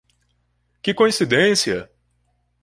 Que coincidência!